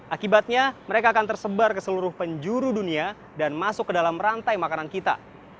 akibatnya mereka akan tersebar ke seluruh penjuru dunia dan masuk ke dalam rantai makanan kita